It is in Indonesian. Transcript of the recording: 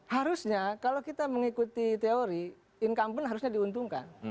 harusnya kalau kita mengikuti teori incumbent harusnya diuntungkan